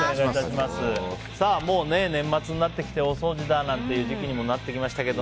もう、年末になってきて大掃除だなんていう時期にもなってきましたけど。